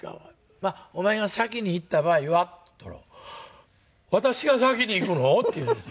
「まあお前が先に逝った場合は」って言ったら「私が先に逝くの？」って言うんですよ。